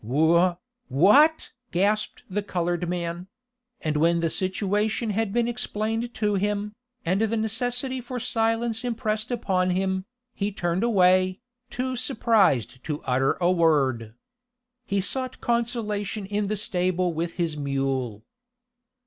"Wh what!" gasped the colored man; and when the situation had been explained to him, and the necessity for silence impressed upon him, he turned away, too surprised to utter a word. He sought consolation in the stable with his mule.